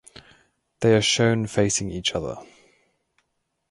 They are shown facing each other.